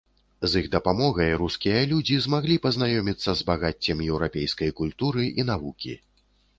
З іх дапамогай рускія людзі змаглі пазнаёміцца з багаццем еўрапейскай культуры і навукі.